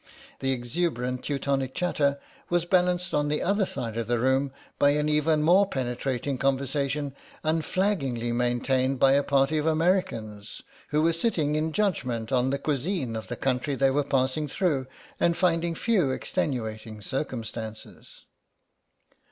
The exuberant Teutonic chatter was balanced on the other side of the room by an even more penetrating conversation unflaggingly maintained by a party of Americans, who were sitting in judgment on the cuisine of the country they were passing through, and finding few extenuating circumstances.